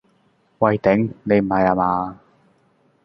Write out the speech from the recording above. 喂頂，你唔係呀嘛？